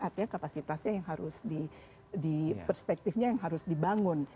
artinya kapasitasnya yang harus di perspektifnya yang harus dibangun